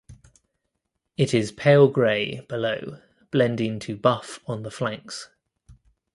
It is pale gray below blending to buff on the flanks.